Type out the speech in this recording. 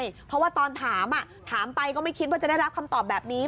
เพราะว่าตอนถามถามไปก็ไม่คิดว่าจะได้รับคำตอบแบบนี้